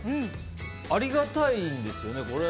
ありがたいんですよね。